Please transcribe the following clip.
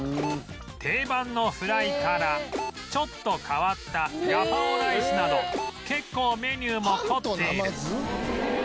定番のフライからちょっと変わったガパオライスなど結構メニューも凝っている